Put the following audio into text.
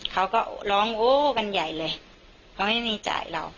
เขาก็ร้องโอ้กันใหญ่เลยเขาไม่มีจ่ายเรา